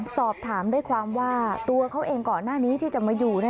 สอบถามได้ความว่าตัวเขาเองก่อนหน้านี้ที่จะมาอยู่